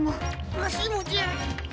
わしもじゃ。